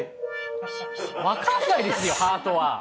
分かんないですよ、ハートは。